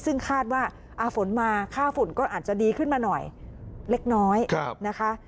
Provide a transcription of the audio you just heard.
ซึ่งคาดว่าฝนมาค่าฝุ่นก็อาจจะดีขึ้นมาหน่อยเล็กน้อยนะคะ